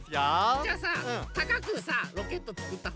じゃあさたかくさロケットつくったほうがかち？